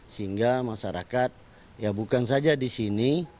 sehingga masyarakat ya bukan saja di sini